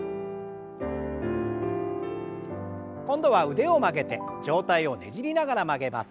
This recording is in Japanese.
今度は腕を曲げて上体をねじりながら曲げます。